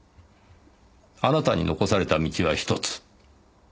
あなたに残された道はひとつ。